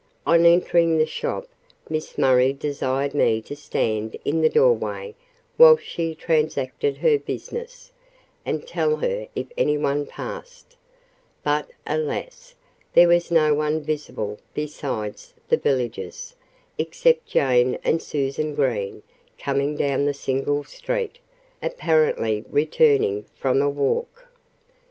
On entering the shop, Miss Murray desired me to stand in the doorway while she transacted her business, and tell her if anyone passed. But alas! there was no one visible besides the villagers, except Jane and Susan Green coming down the single street, apparently returning from a walk.